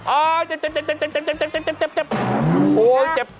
อ้าวเจ็บ